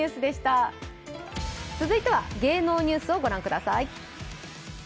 続いては芸能ニュースをご覧ください。